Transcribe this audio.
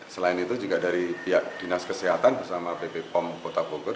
selain itu juga dari pihak dinas kesehatan bersama bp pom kota bogor